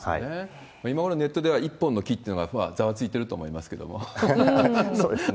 今頃ネットでは、１本の木というのがざわついてると思いますそうですね。